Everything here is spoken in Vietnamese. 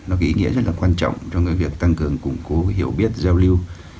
nó ký nghĩa rất là quan trọng trong cái việc tăng cường củng cố hiểu biết giao lưu